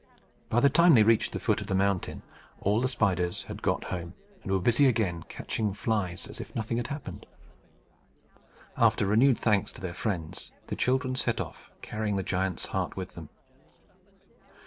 By the time they reached the foot of the mountain, all the spiders had got home, and were busy again catching flies, as if nothing had happened. After renewed thanks to their friends, the children set off, carrying the giant's heart with them.